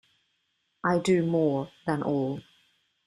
I do more than all.